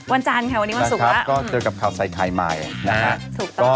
วันจันทร์ค่ะวันนี้วันศุกร์แล้วนะครับก็เจอกับข่าวไซคายมายนะฮะ